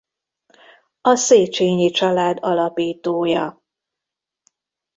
A Szécsényi család alapítója.